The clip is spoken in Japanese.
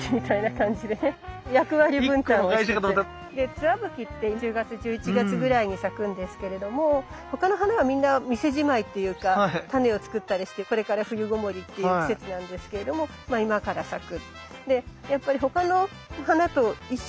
ツワブキって１０月１１月ぐらいに咲くんですけれども他の花はみんな店じまいっていうかタネを作ったりしてこれから冬ごもりっていう季節なんですけれどもまあ今から咲く。